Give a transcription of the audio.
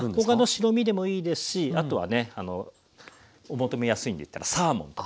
他の白身でもいいですしあとはねお求めやすいんでいったらサーモンとか。